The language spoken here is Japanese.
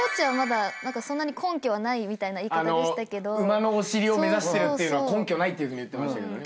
馬のお尻を目指してるっていうのは根拠ないっていうふうに言ってましたけどね。